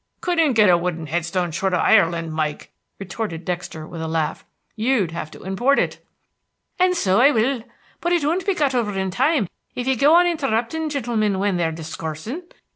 "Couldn't get a wooden head stone short of Ireland, Mike." Retorted Dexter, with a laugh. "You'd have to import it." "An' so I will; but it won't be got over in time, if ye go on interruptin' gintlemen when they're discoorsin'.